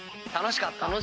楽しかった。